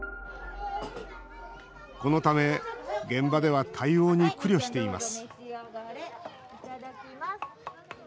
このため、現場では対応に苦慮しています。